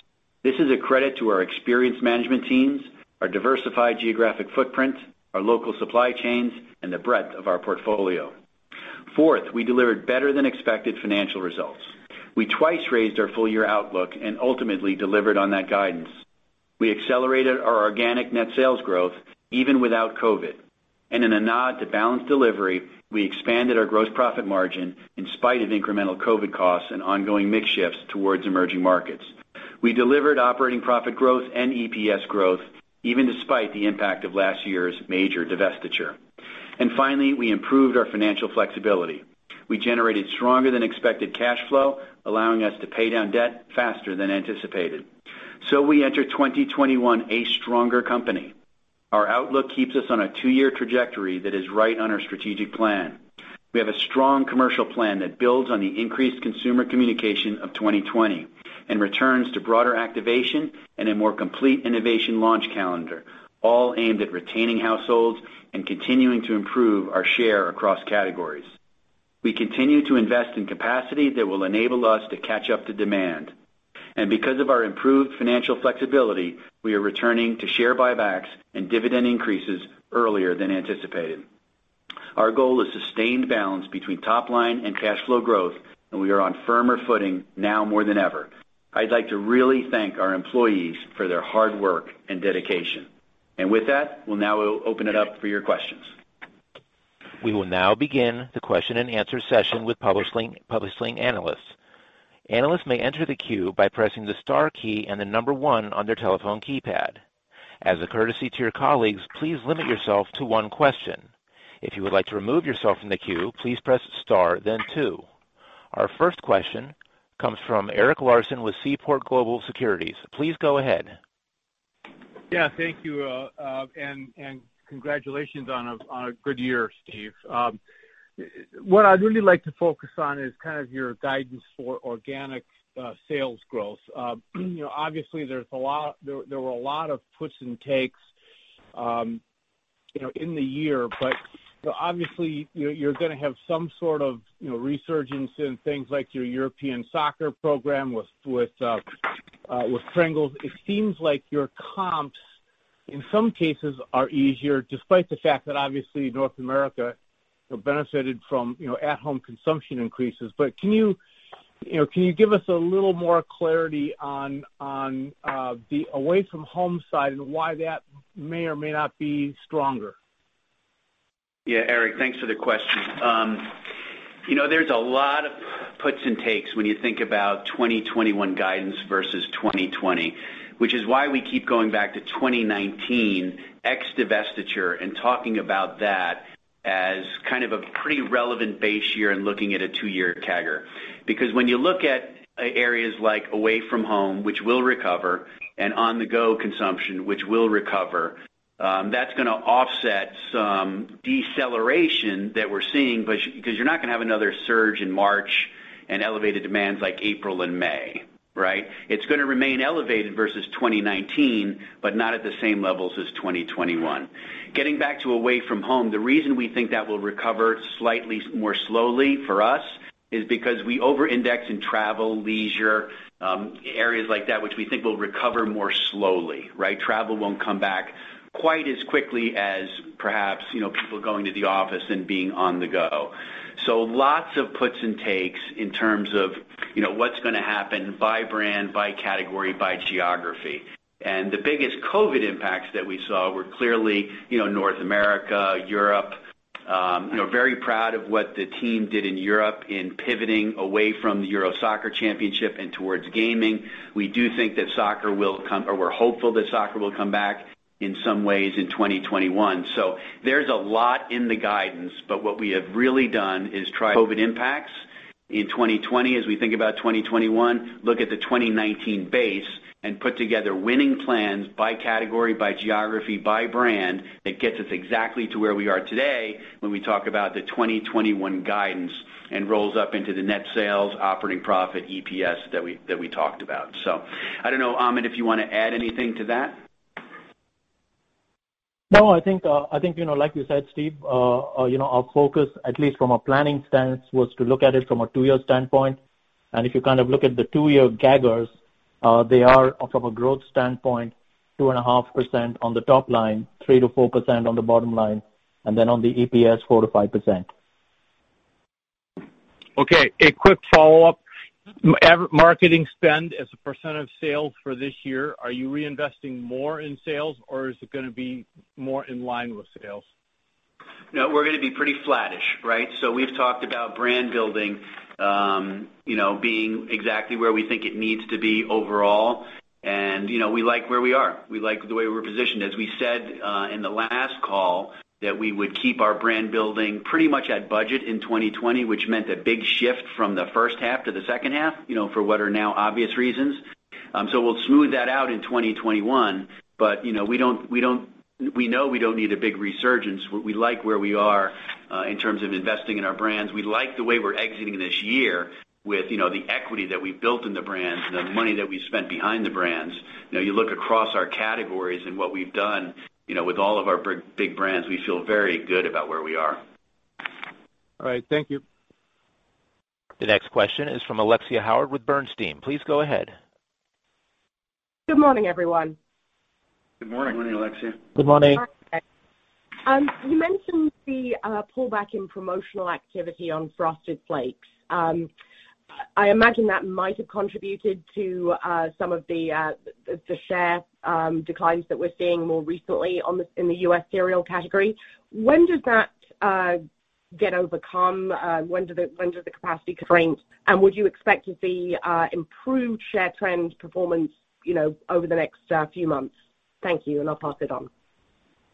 This is a credit to our experienced management teams, our diversified geographic footprint, our local supply chains, and the breadth of our portfolio. Fourth, we delivered better than expected financial results. We twice raised our full year outlook and ultimately delivered on that guidance. We accelerated our organic net sales growth even without COVID, and in a nod to balanced delivery, we expanded our gross profit margin in spite of incremental COVID costs and ongoing mix shifts towards emerging markets. We delivered operating profit growth and EPS growth even despite the impact of last year's major divestiture. Finally, we improved our financial flexibility. We generated stronger than expected cash flow, allowing us to pay down debt faster than anticipated. We enter 2021 a stronger company. Our outlook keeps us on a two-year trajectory that is right on our strategic plan. We have a strong commercial plan that builds on the increased consumer communication of 2020 and returns to broader activation and a more complete innovation launch calendar, all aimed at retaining households and continuing to improve our share across categories. We continue to invest in capacity that will enable us to catch up to demand. Because of our improved financial flexibility, we are returning to share buybacks and dividend increases earlier than anticipated. Our goal is sustained balance between top line and cash flow growth, and we are on firmer footing now more than ever. I'd like to really thank our employees for their hard work and dedication. With that, we'll now open it up for your questions. We will now begin the question and answer session with publishing analysts. Analysts may enter the queue by pressing the star key and the number one on their telephone keypad. As a courtesy to your colleagues, please limit yourself to one question. If you would like to remove yourself from the queue, please press star, then two. Our first question comes from Eric Larson with Seaport Global Securities. Please go ahead. Yeah, thank you, and congratulations on a good year, Steve. What I'd really like to focus on is kind of your guidance for organic sales growth. Obviously, there were a lot of puts and takes in the year, obviously you're going to have some sort of resurgence in things like your European soccer program With Pringles, it seems like your comps, in some cases, are easier, despite the fact that obviously North America benefited from at-home consumption increases. Can you give us a little more clarity on the away from home side and why that may or may not be stronger? Yeah, Eric, thanks for the question. There's a lot of puts and takes when you think about 2021 guidance versus 2020, which is why we keep going back to 2019 ex-divestiture and talking about that as a pretty relevant base year in looking at a two-year CAGR. When you look at areas like away from home, which will recover, and on-the-go consumption, which will recover, that's going to offset some deceleration that we're seeing. You're not going to have another surge in March and elevated demands like April and May. Right? It's going to remain elevated versus 2019, but not at the same levels as 2021. Getting back to away from home, the reason we think that will recover slightly more slowly for us is because we over-index in travel, leisure, areas like that, which we think will recover more slowly. Right? Travel won't come back quite as quickly as perhaps people going to the office and being on the go. Lots of puts and takes in terms of what's going to happen by brand, by category, by geography. The biggest COVID impacts that we saw were clearly North America, Europe. Very proud of what the team did in Europe in pivoting away from the Euro Soccer Championship and towards gaming. We do think that soccer will come back in some ways in 2021. There's a lot in the guidance, but what we have really done is try COVID impacts in 2020. As we think about 2021, look at the 2019 base and put together winning plans by category, by geography, by brand, that gets us exactly to where we are today when we talk about the 2021 guidance and rolls up into the net sales operating profit EPS that we talked about. I don't know, Amit, if you want to add anything to that. No, I think like you said, Steve, our focus, at least from a planning stance, was to look at it from a two-year standpoint. If you look at the two-year CAGRs, they are, from a growth standpoint, 2.5% on the top line, 3%-4% on the bottom line, then on the EPS, 4%-5%. Okay, a quick follow-up. Marketing spend as a percent of sales for this year, are you reinvesting more in sales or is it going to be more in line with sales? We're going to be pretty flattish. Right? We've talked about brand building being exactly where we think it needs to be overall, and we like where we are. We like the way we're positioned. As we said in the last call that we would keep our brand building pretty much at budget in 2020, which meant a big shift from the first half to the second half for what are now obvious reasons. We'll smooth that out in 2021. We know we don't need a big resurgence. We like where we are in terms of investing in our brands. We like the way we're exiting this year with the equity that we've built in the brands and the money that we've spent behind the brands. You look across our categories and what we've done with all of our big brands, we feel very good about where we are. All right. Thank you. The next question is from Alexia Howard with Bernstein. Please go ahead. Good morning, everyone. Good morning. Good morning, Alexia. Good morning. You mentioned the pullback in promotional activity on Frosted Flakes. I imagine that might have contributed to some of the share declines that we're seeing more recently in the U.S. cereal category. When does that get overcome? When do the capacity constraints and would you expect to see improved share trend performance over the next few months? Thank you, and I'll pass it on.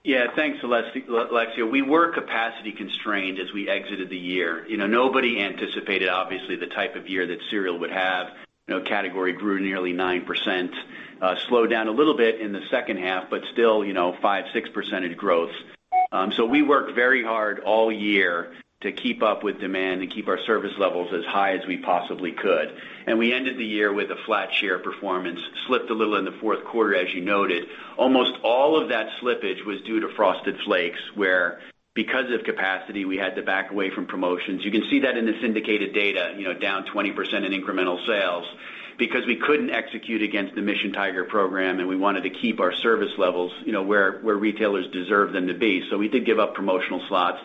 Yeah. Thanks, Alexia. We were capacity constrained as we exited the year. Nobody anticipated, obviously, the type of year that cereal would have. Category grew nearly 9%, slowed down a little bit in the second half, still 5%, 6% growth. We worked very hard all year to keep up with demand and keep our service levels as high as we possibly could. We ended the year with a flat share performance, slipped a little in the fourth quarter, as you noted. Almost all of that slippage was due to Frosted Flakes, where, because of capacity, we had to back away from promotions. You can see that in the syndicated data, down 20% in incremental sales because we couldn't execute against the Mission Tiger program, we wanted to keep our service levels where retailers deserve them to be. We did give up promotional slots,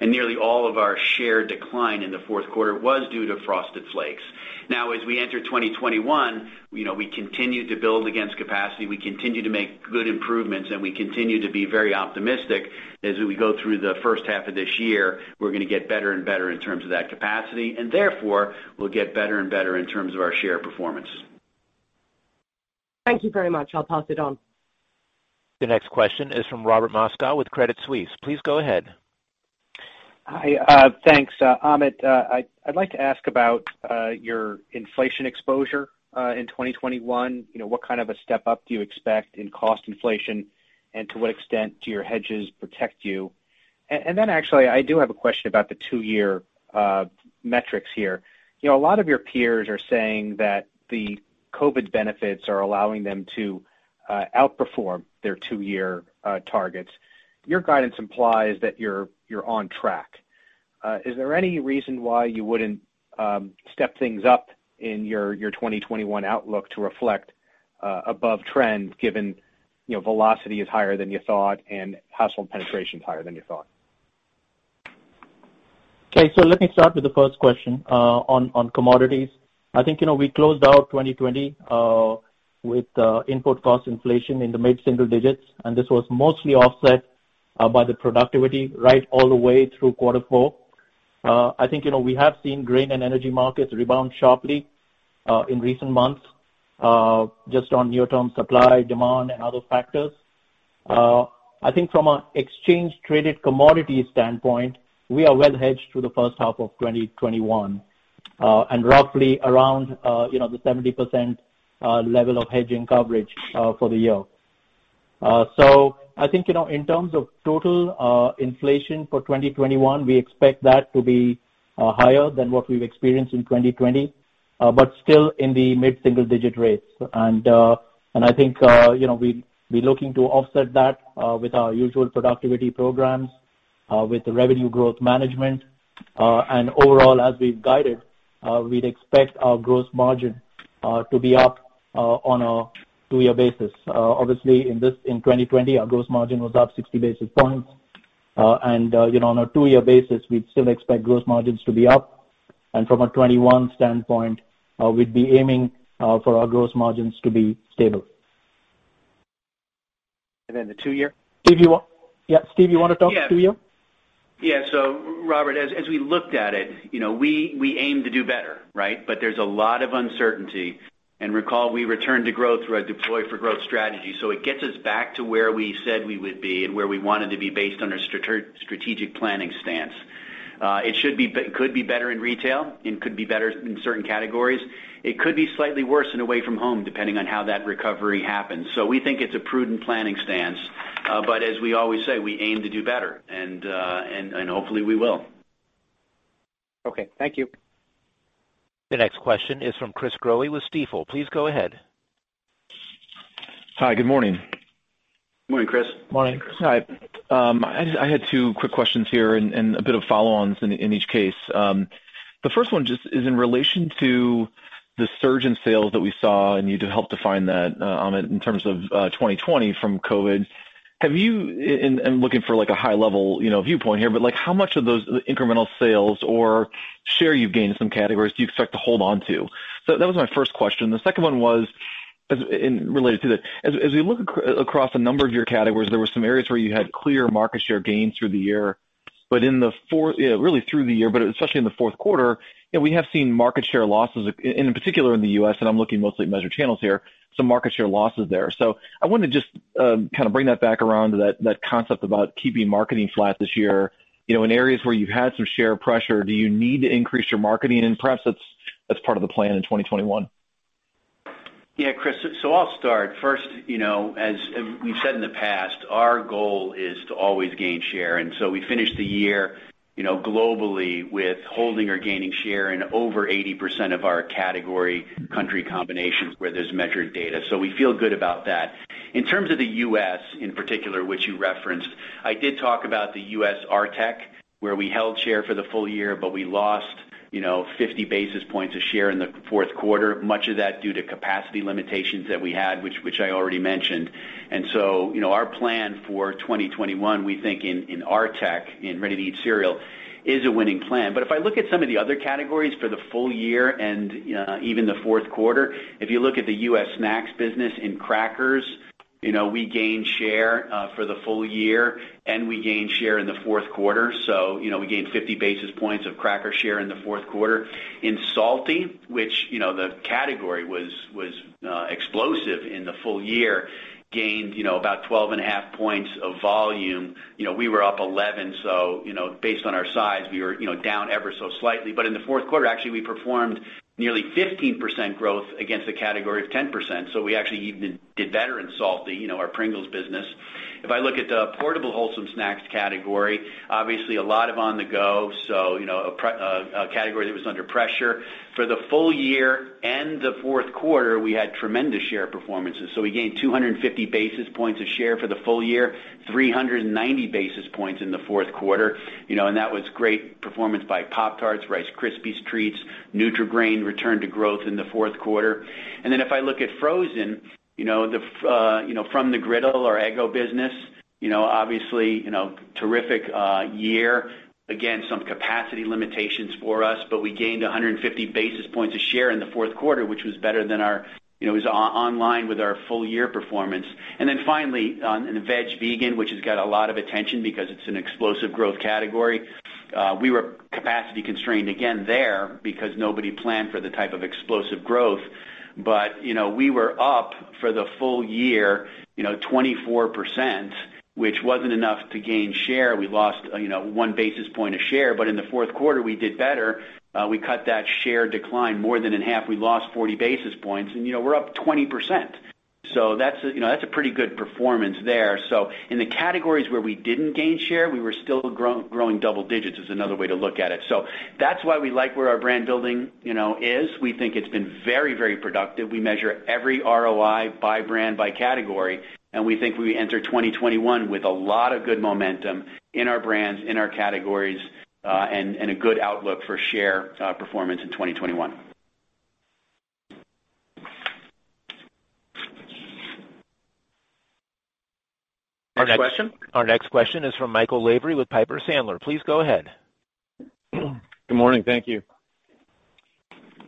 and nearly all of our share decline in the fourth quarter was due to Frosted Flakes. Now, as we enter 2021, we continue to build against capacity, we continue to make good improvements, and we continue to be very optimistic as we go through the first half of this year, we're going to get better and better in terms of that capacity, and therefore we'll get better and better in terms of our share performance. Thank you very much. I'll pass it on. The next question is from Robert Moskow with Credit Suisse. Please go ahead. Hi. Thanks, Amit. I'd like to ask about your inflation exposure in 2021. What kind of a step up do you expect in cost inflation, and to what extent do your hedges protect you? Then actually, I do have a question about the two-year metrics here. A lot of your peers are saying that the COVID benefits are allowing them to outperform their two-year targets. Your guidance implies that you're on track. Is there any reason why you wouldn't step things up in your 2021 outlook to reflect above trend, given velocity is higher than you thought and household penetration is higher than you thought? Okay, let me start with the first question on commodities. I think we closed out 2020 with input cost inflation in the mid-single digits, this was mostly offset by the productivity right all the way through quarter four. I think we have seen grain and energy markets rebound sharply in recent months just on near-term supply, demand, and other factors. I think from an exchange-traded commodity standpoint, we are well-hedged through the first half of 2021 and roughly around the 70% level of hedging coverage for the year. I think, in terms of total inflation for 2021, we expect that to be higher than what we've experienced in 2020, still in the mid-single-digit rates. I think we're looking to offset that with our usual productivity programs, with revenue growth management. Overall, as we've guided, we'd expect our gross margin to be up on a two-year basis. Obviously, in 2020, our gross margin was up 60 basis points. On a two-year basis, we'd still expect gross margins to be up. From a 2021 standpoint, we'd be aiming for our gross margins to be stable. The two year? Yeah, Steve, you want to talk two year? Yeah. Robert, as we looked at it, we aim to do better. There's a lot of uncertainty. Recall, we returned to growth through our Deploy for Growth strategy. It gets us back to where we said we would be and where we wanted to be based on our strategic planning stance. It could be better in retail and could be better in certain categories. It could be slightly worse in away from home, depending on how that recovery happens. We think it's a prudent planning stance. As we always say, we aim to do better and hopefully we will. Okay. Thank you. The next question is from Chris Growe with Stifel. Please go ahead. Hi, good morning. Morning, Chris. Morning. Hi. I had two quick questions here and a bit of follow-ons in each case. The first one just is in relation to the surge in sales that we saw, and you helped define that, Amit, in terms of 2020 from COVID. I'm looking for a high-level viewpoint here, but how much of those incremental sales or share you gained in some categories do you expect to hold onto? That was my first question. The second one was related to that. As we look across a number of your categories, there were some areas where you had clear market share gains through the year, but especially in the fourth quarter, we have seen market share losses, in particular in the U.S., and I'm looking mostly at measured channels here, some market share losses there. I wanted to just bring that back around to that concept about keeping marketing flat this year. In areas where you've had some share pressure, do you need to increase your marketing, and perhaps that's part of the plan in 2021? Chris. I'll start. First, as we've said in the past, our goal is to always gain share. We finished the year globally with holding or gaining share in over 80% of our category country combinations where there's measured data. We feel good about that. In terms of the U.S. in particular, which you referenced, I did talk about the U.S. RTEC, where we held share for the full year, but we lost 50 basis points of share in the fourth quarter, much of that due to capacity limitations that we had, which I already mentioned. Our plan for 2021, we think in RTEC, in ready-to-eat cereal, is a winning plan. If I look at some of the other categories for the full year and even the fourth quarter, if you look at the U.S. snacks business in crackers, we gained share for the full year and we gained share in the fourth quarter. We gained 50 basis points of cracker share in the fourth quarter. In salty, which the category was explosive in the full year, gained about 12.5 points of volume. We were up 11, based on our size, we were down ever so slightly. In the fourth quarter, actually, we performed nearly 15% growth against a category of 10%. We actually even did better in salty, our Pringles business. If I look at the portable wholesome snacks category, obviously a lot of on-the-go, a category that was under pressure. For the full year and the fourth quarter, we had tremendous share performances. We gained 250 basis points of share for the full year, 390 basis points in the fourth quarter, that was great performance by Pop-Tarts, Rice Krispies Treats, Nutri-Grain returned to growth in the fourth quarter. If I look at frozen, from the griddle, our Eggo business, obviously terrific year. Again, some capacity limitations for us, we gained 150 basis points of share in the fourth quarter, which was online with our full-year performance. Finally, in veg/vegan, which has got a lot of attention because it's an explosive growth category, we were capacity constrained again there because nobody planned for the type of explosive growth. We were up for the full year 24%, which wasn't enough to gain share. We lost one basis point of share. In the fourth quarter, we did better. We cut that share decline more than in half. We lost 40 basis points and we're up 20%. That's a pretty good performance there. In the categories where we didn't gain share, we were still growing double digits is another way to look at it. That's why we like where our brand building is. We think it's been very productive. We measure every ROI by brand, by category, and we think we enter 2021 with a lot of good momentum in our brands, in our categories, and a good outlook for share performance in 2021. Next question. Our next question is from Michael Lavery with Piper Sandler. Please go ahead. Good morning. Thank you.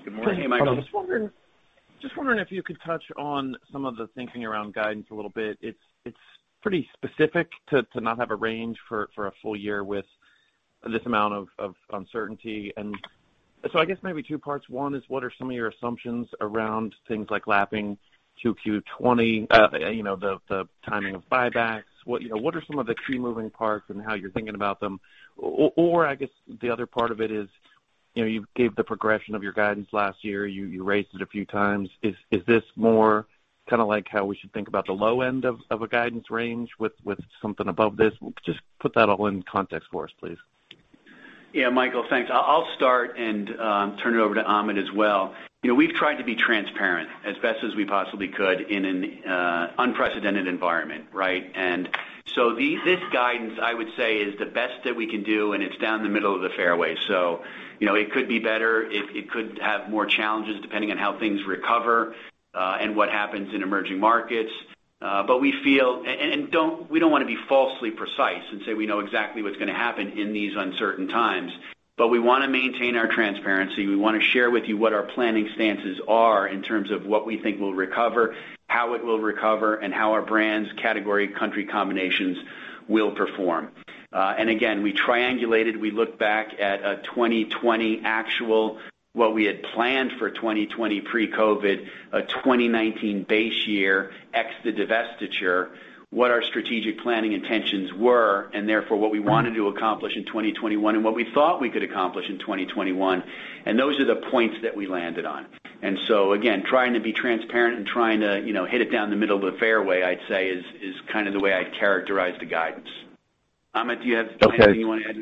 Good morning, Michael. Just wondering if you could touch on some of the thinking around guidance a little bit. It's pretty specific to not have a range for a full year with this amount of uncertainty. I guess maybe two parts. One is, what are some of your assumptions around things like lapping 2Q20, the timing of buybacks? What are some of the key moving parts and how you're thinking about them? I guess the other part of it is, you gave the progression of your guidance last year. You raised it a few times. Is this more kind of like how we should think about the low end of a guidance range with something above this? Just put that all in context for us, please. Yeah, Michael, thanks. I'll start and turn it over to Amit as well. We've tried to be transparent as best as we possibly could in an unprecedented environment, right? This guidance, I would say, is the best that we can do, and it's down the middle of the fairway. It could be better. It could have more challenges, depending on how things recover, and what happens in emerging markets. We don't want to be falsely precise and say we know exactly what's going to happen in these uncertain times. We want to maintain our transparency. We want to share with you what our planning stances are in terms of what we think will recover, how it will recover, and how our brands, category, country combinations will perform. Again, we triangulated. We looked back at a 2020 actual, what we had planned for 2020 pre-COVID, a 2019 base year, ex the divestiture, what our strategic planning intentions were, and therefore, what we wanted to accomplish in 2021 and what we thought we could accomplish in 2021, and those are the points that we landed on. Again, trying to be transparent and trying to hit it down the middle of the fairway, I'd say, is kind of the way I'd characterize the guidance. Amit, do you have anything you want to add to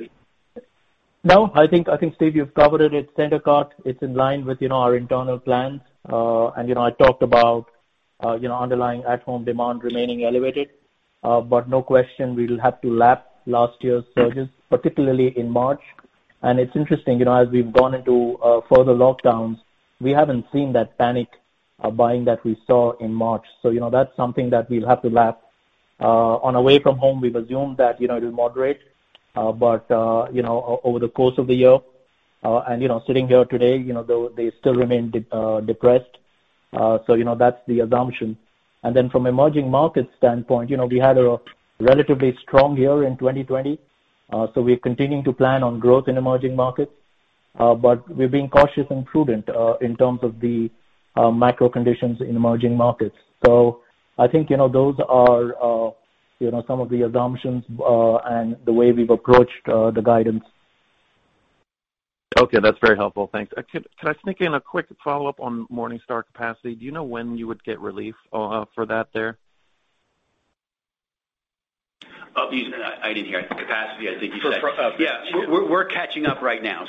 that? No. I think, Steve, you've covered it center court. It's in line with our internal plans. I talked about underlying at-home demand remaining elevated. No question, we will have to lap last year's surges, particularly in March. It's interesting, as we've gone into further lockdowns, we haven't seen that panic buying that we saw in March. That's something that we'll have to lap. On away from home, we've assumed that it'll moderate, but over the course of the year, and sitting here today, they still remain depressed. That's the assumption. From emerging market standpoint, we had a relatively strong year in 2020. We're continuing to plan on growth in emerging markets. We're being cautious and prudent, in terms of the macro conditions in emerging markets. I think those are some of the assumptions, and the way we've approached the guidance. Okay. That's very helpful. Thanks. Could I sneak in a quick follow-up on MorningStar capacity? Do you know when you would get relief for that there? I didn't hear. Capacity, I think you said. Yeah. We're catching up right now.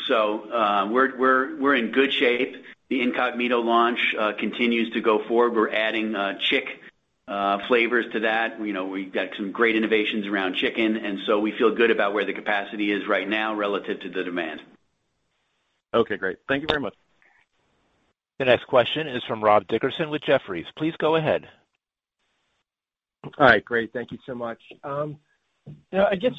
We're in good shape. The Incogmeato launch continues to go forward. We're adding chicken flavors to that. We've got some great innovations around chicken, and so we feel good about where the capacity is right now relative to the demand. Okay, great. Thank you very much. The next question is from Rob Dickerson with Jefferies. Please go ahead. All right. Great. Thank you so much. I guess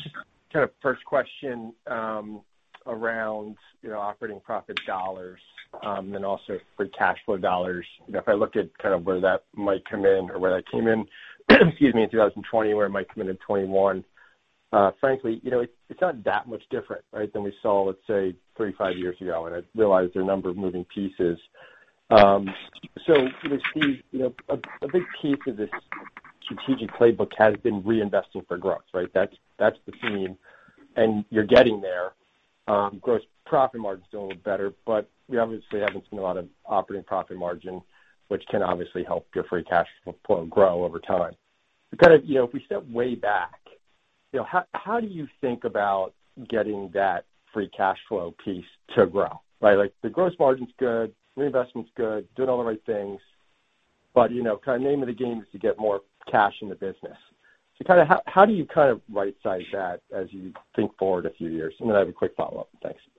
kind of first question around operating profit dollars, and then also free cash flow dollars? If I look at kind of where that might come in or where that came in, excuse me, in 2020, where it might come in in 2021, frankly, it's not that much different, right, than we saw, let's say, three, five years ago, and I realize there are a number of moving pieces. Steve, a big piece of this strategic playbook has been reinvesting for growth, right? That's the theme, and you're getting there. Gross profit margin's a little better. We obviously haven't seen a lot of operating profit margin, which can obviously help your free cash flow grow over time. If we step way back, how do you think about getting that free cash flow piece to grow, right? Like, the gross profit margin's good, reinvestment's good, doing all the right things. Name of the game is to get more cash in the business. How do you right size that as you think forward a few years? I have a quick follow-up. Thanks. Thanks,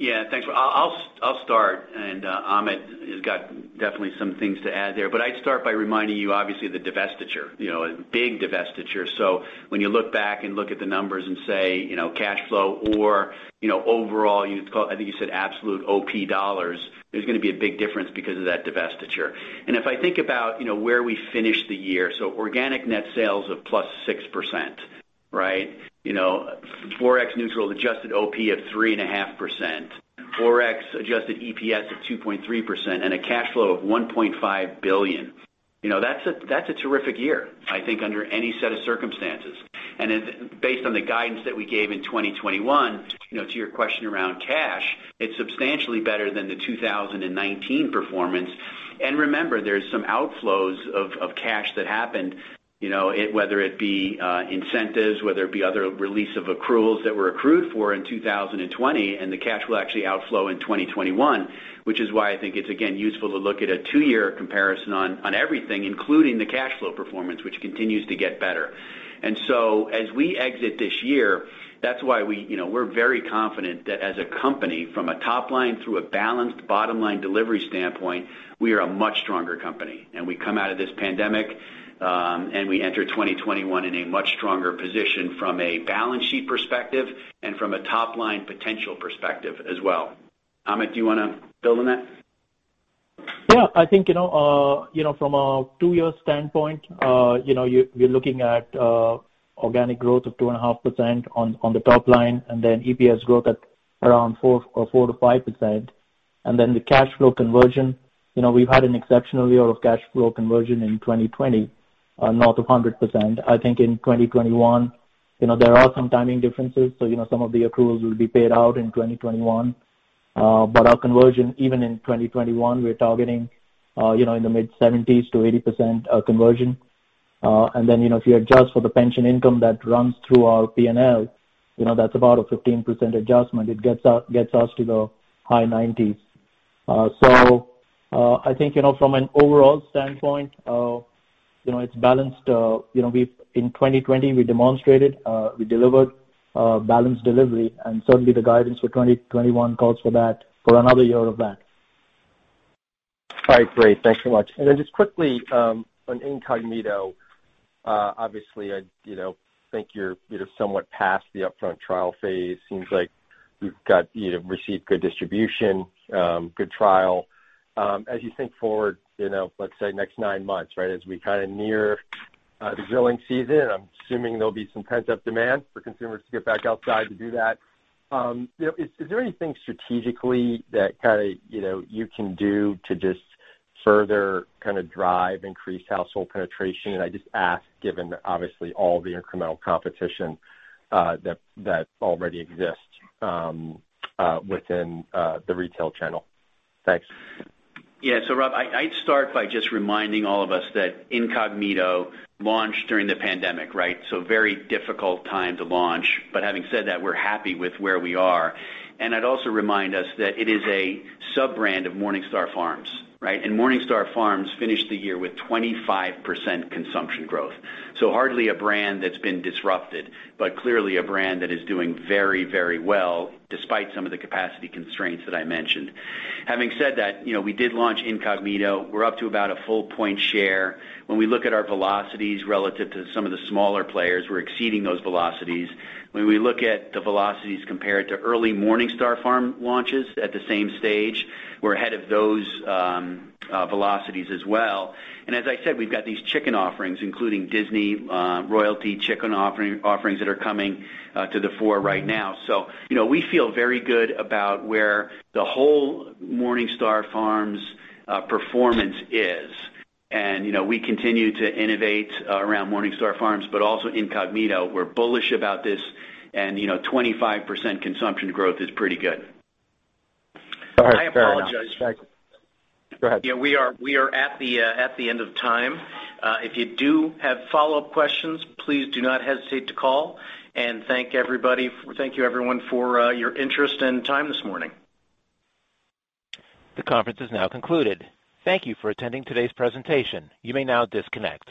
Rob. I'll start, Amit has got definitely some things to add there. I'd start by reminding you, obviously, the divestiture. A big divestiture. When you look back and look at the numbers and say cash flow or overall, I think you said absolute OP dollars, there's gonna be a big difference because of that divestiture. If I think about where we finish the year, so organic net sales of +6%, right? Forex neutral adjusted OP of 3.5%, Forex adjusted EPS of 2.3%, and a cash flow of $1.5 billion. That's a terrific year, I think, under any set of circumstances. Based on the guidance that we gave in 2021, to your question around cash, it's substantially better than the 2019 performance. Remember, there's some outflows of cash that happened, whether it be incentives, whether it be other release of accruals that were accrued for in 2020, and the cash will actually outflow in 2021, which is why I think it's, again, useful to look at a two-year comparison on everything, including the cash flow performance, which continues to get better. As we exit this year, that's why we're very confident that as a company, from a top line through a balanced bottom-line delivery standpoint, we are a much stronger company. We come out of this pandemic, and we enter 2021 in a much stronger position from a balance sheet perspective and from a top-line potential perspective as well. Amit, do you want to build on that? Yeah, I think from a two-year standpoint, we're looking at organic growth of 2.5% on the top line, EPS growth at around 4%-5%. The cash flow conversion, we've had an exceptional year of cash flow conversion in 2020, north of 100%. I think in 2021, there are some timing differences, so some of the accruals will be paid out in 2021. Our conversion, even in 2021, we're targeting in the mid 70s-80% conversion. If you adjust for the pension income that runs through our P&L, that's about a 15% adjustment. It gets us to the high 90s. I think, from an overall standpoint, it's balanced. In 2020, we demonstrated, we delivered balanced delivery, and certainly the guidance for 2021 calls for another year of that. All right, great. Thanks so much. Just quickly, on Incogmeato, obviously I think you're somewhat past the upfront trial phase. Seems like you've received good distribution, good trial. As you think forward, let's say next nine months, right, as we kind of near the grilling season, I'm assuming there'll be some pent-up demand for consumers to get back outside to do that. Is there anything strategically that you can do to just further drive increased household penetration? I just ask given, obviously, all the incremental competition that already exists within the retail channel. Thanks. Yeah. Rob, I'd start by just reminding all of us that Incogmeato launched during the pandemic, right? Very difficult time to launch. Having said that, we're happy with where we are. I'd also remind us that it is a sub-brand of MorningStar Farms, right? MorningStar Farms finished the year with 25% consumption growth. Hardly a brand that's been disrupted, but clearly a brand that is doing very well despite some of the capacity constraints that I mentioned. Having said that, we did launch Incogmeato. We're up to about a full point share. When we look at our velocities relative to some of the smaller players, we're exceeding those velocities. When we look at the velocities compared to early MorningStar Farms launches at the same stage, we're ahead of those velocities as well. As I said, we've got these chicken offerings, including Disney royalty chicken offerings that are coming to the fore right now. We feel very good about where the whole MorningStar Farms performance is. We continue to innovate around MorningStar Farms, but also Incogmeato. We're bullish about this, 25% consumption growth is pretty good. All right. Fair enough. I apologize. Thanks. Go ahead. Yeah, we are at the end of time. If you do have follow-up questions, please do not hesitate to call. Thank you everyone for your interest and time this morning. The conference is now concluded. Thank you for attending today's presentation. You may now disconnect.